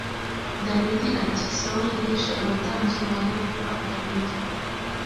dawidi ati sawuli yishe abatambyi ba yehova dawidi